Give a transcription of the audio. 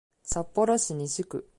札幌市西区